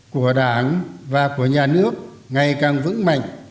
của đảng và của nhà nước ngày càng vững mạnh